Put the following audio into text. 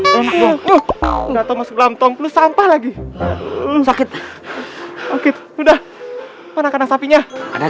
kita tunggu sampai lagi sakit sakit udah kembang sapinya ada di belakangreamiento